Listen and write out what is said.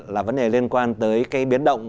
là vấn đề liên quan tới cái biến động